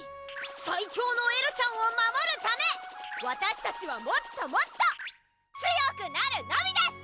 最強のエルちゃんを守るためわたしたちはもっともっと強くなるのみです！